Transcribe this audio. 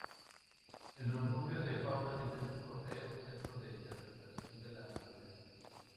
El refugio de Fauna Silvestre posee un Centro de Interpretación de la Naturaleza.